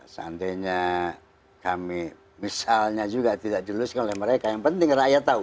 seandainya kami misalnya juga tidak diluluskan oleh mereka yang penting rakyat tahu